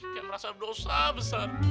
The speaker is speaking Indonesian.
kayak merasa dosa besar